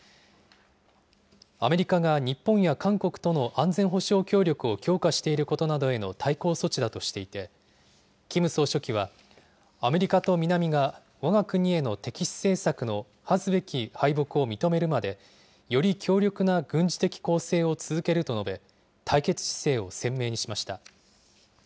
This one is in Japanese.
アメリカが日本や韓国との安全保障協力を強化していることなどへの対抗措置だとしていて、キム総書記は、アメリカと南がわが国への敵視政策の恥ずべき敗北を認めるまで、より強力な軍事的攻勢を続けると述べ、対決姿勢を鮮明にしました。